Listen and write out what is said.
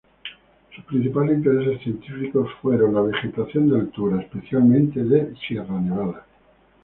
Sus principales intereses científicos fueron la vegetación de altura, especialmente de Sierra Nevada.